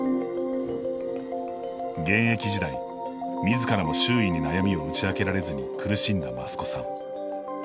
現役時代、みずからも周囲に悩みを打ち明けられずに苦しんだ益子さん。